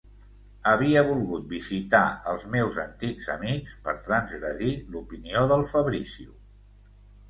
Havia volgut visitar els meus antics amics per transgredir l'opinió del Fabrizio.